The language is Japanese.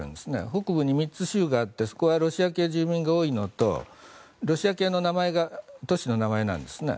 北部に３つ州があってそこはロシア系住民が多いのとロシア系の都市の名前なんですね。